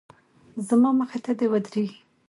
زما مخې ته دې ودرېږي.